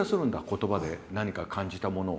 言葉で何か感じたものを。